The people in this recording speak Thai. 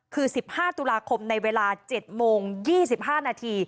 คือ๑๕ตุลาคมในเวลา๗โมง๒๕นาที